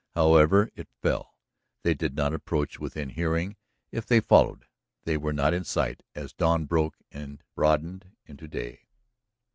However it fell, they did not approach within hearing if they followed, and were not in sight as dawn broke and broadened into day.